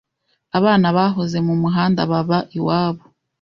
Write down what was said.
Abana bahoze mu muhanda baba iwabo